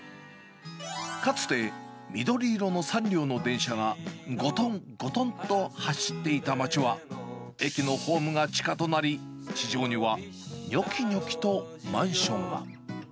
かつて、緑色の３両の電車が、ごとんごとんと走っていた街は、駅のホームが地下となり、地上にはにょきにょきとマンションが。